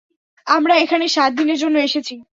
আমরা এখানে সাত দিনের জন্য এসেছি।